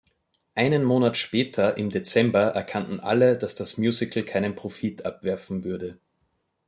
Einen Monat später, im Dezember, erkannten alle, dass das Musical keinen Profit abwerfen würde.